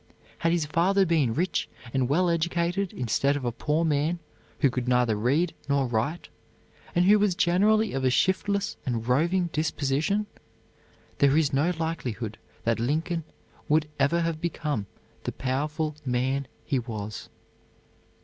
Had his father been rich and well educated instead of a poor man who could neither read nor write and who was generally of a shiftless and roving disposition, there is no likelihood that Lincoln would ever have become the powerful man he was.